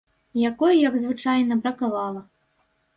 Якой, як звычайна, бракавала.